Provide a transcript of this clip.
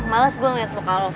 males gue ngeliat mukallah